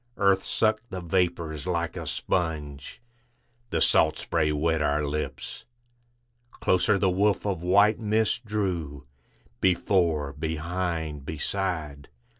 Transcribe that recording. Earth sucked the vapors like a sponge, The salt spray wet our lips. Closer the woof of white mist drew, Before, behind, beside.